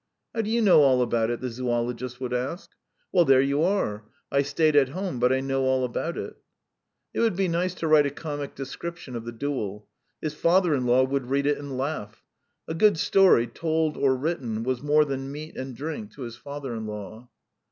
"How do you know all about it?" the zoologist would ask. "Well, there you are! I stayed at home, but I know all about it." It would be nice to write a comic description of the duel. His father in law would read it and laugh. A good story, told or written, was more than meat and drink to his father in law.